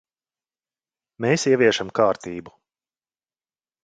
Mēs ieviešam kārtību.